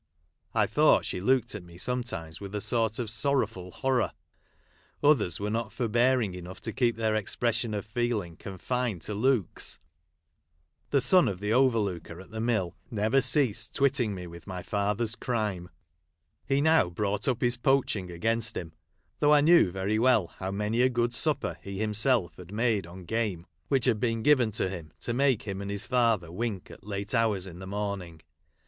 I thought she looked at me sometimes with a sort ol sorrowful horror. Others were not forbearing enough to keep their expression of feeling confined to looks, The son of the overlooker at the mill never ceased twitting me with my father's crime ; he now brought up his poach ing against him, though I knew very well how many a good supper he himself had made on game which had been given him to make him and his father wink at late hours in the morning.